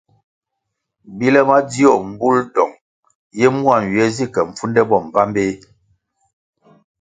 Bile madzio mbul dong ye mua nywie zi ke mpfunde bo mbpambeh.